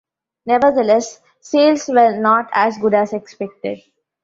Nevertheless, sales were not as good as expected.